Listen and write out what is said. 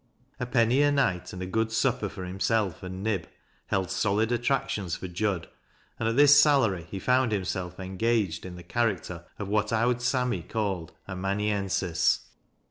A penny a night, and a good supper for him self and Nib, held solid attractions for Jud, and at this salary he found himself engaged in the character of what " Owd Sammy " called " a mauny ensis."